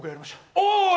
おい！